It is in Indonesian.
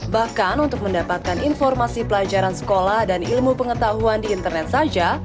bahkan untuk mendapatkan informasi pelajaran sekolah dan ilmu pengetahuan di internet saja